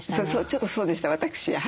ちょっとそうでした私。